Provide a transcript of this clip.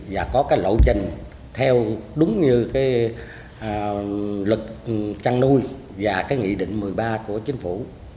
và có lộ trình theo đúng như luật chăn nuôi và nghị định một mươi ba của chính phủ